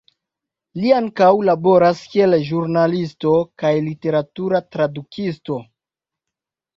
Li ankaŭ laboras kiel ĵurnalisto kaj literatura tradukisto.